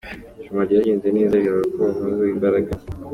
ariko ntitwogenda Stamford Bridge n'abakinyi ba Nicky Butt.